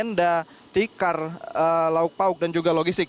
tenda tikar lauk pauk dan juga logistik